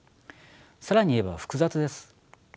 更に言えば複雑です。